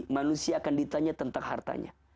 manusia akan ditanya tentang hartanya